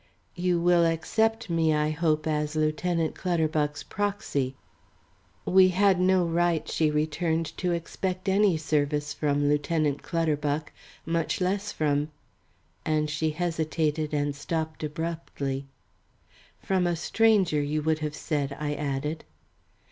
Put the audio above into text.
"You will accept me I hope as Lieutenant Clutterbuck's proxy." "We had no right," she returned, "to expect any service from Lieutenant Clutterbuck, much less from " and she hesitated and stopped abruptly. "From a stranger you would have said," I added.